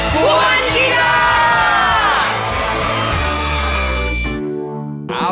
คุณกิจการ์